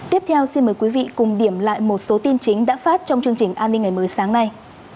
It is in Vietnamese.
tiếp theo xin mời quý vị cùng điểm lại một số tin chính đã phát trong chương trình an ninh ngày mới sáng nay